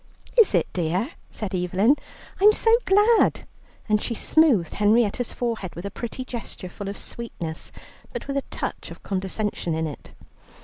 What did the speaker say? "Is it, dear?" said Evelyn. "I'm so glad." And she smoothed Henrietta's forehead with a pretty gesture full of sweetness, but with a touch of condescension in it.